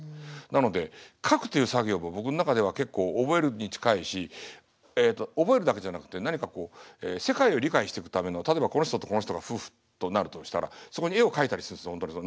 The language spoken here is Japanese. なので書くという作業も僕の中では結構覚えるに近いしえっと覚えるだけじゃなくて何かこう世界を理解してくための例えばこの人とこの人が夫婦となるとしたらそこに絵を描いたりするんです